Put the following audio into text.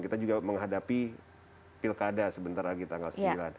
kita juga menghadapi pilkada sebentar lagi tanggal sembilan